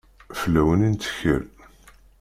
Fell-awen i nettkel.